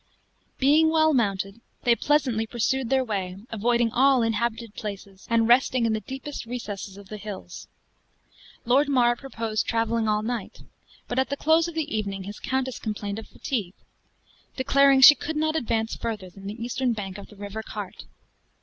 Being well mounted, they pleasantly pursued their way, avoiding all inhabited places, and resting in the deepest recesses of the hills. Lord Mar proposed traveling all night; but at the close of the evening his countess complained of fatigue, declaring she could not advance further than the eastern bank of the River Cart.